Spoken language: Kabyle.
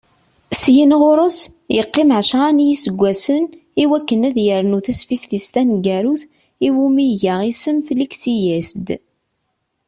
Syin ɣur-s, yeqqim ɛecra n yiseggasen, i wakken ad yernu tasfift-is taneggarut, iwumi iga isem Fliksi-as-d.